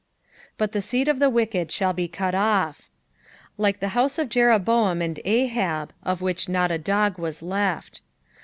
" But tha teed of the viiekad Aail he cut off." Like the house of Jeroboam and Abab, of which not a dog was left.